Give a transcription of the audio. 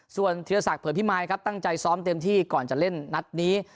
ส่วนธีรศักดิเผื่อพิมายครับตั้งใจซ้อมเต็มที่ก่อนจะเล่นนัดนี้